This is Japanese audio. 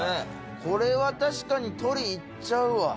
これは確かに採り行っちゃうわ。